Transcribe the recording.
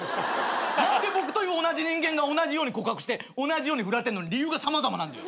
何で僕という同じ人間が同じように告白して同じように振られてんのに理由が様々なんだよ。